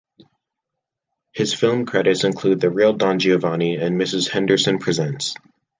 His film credits include "The Real Don Giovanni" and "Mrs Henderson Presents".